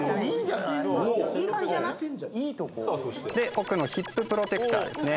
奥のヒッププロテクターですね。